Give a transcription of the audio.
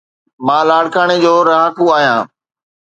مان لاڙڪاڻي جو رھاڪو آھيان.